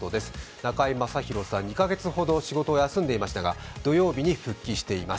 中居正広さん、２か月ほど仕事を休んでいましたが土曜日に復帰しています。